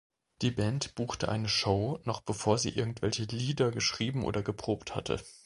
Die Band buchte eine Show, noch bevor sie irgendwelche Lieder geschrieben oder geprobt hatte.